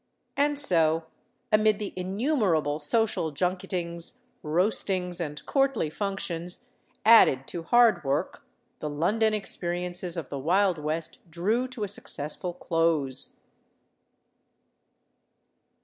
And so, amid the innumerable social junketings, roastings, and courtly functions, added to hard work, the London experiences of the Wild West drew to a successful close.